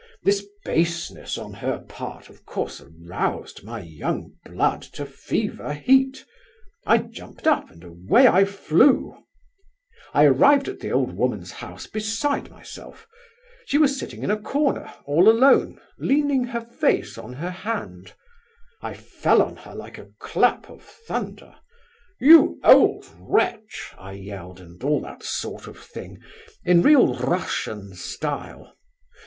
"This baseness on her part of course aroused my young blood to fever heat; I jumped up, and away I flew. "I arrived at the old woman's house beside myself. She was sitting in a corner all alone, leaning her face on her hand. I fell on her like a clap of thunder. 'You old wretch!' I yelled and all that sort of thing, in real Russian style.